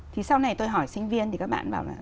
thì sau này tôi hỏi sinh viên thì các bạn bảo là